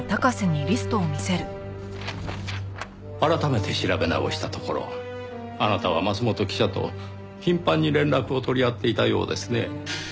改めて調べ直したところあなたは桝本記者と頻繁に連絡を取り合っていたようですね。